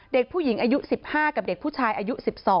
เด็กผู้หญิงอายุ๑๕กับเด็กผู้ชายอายุ๑๒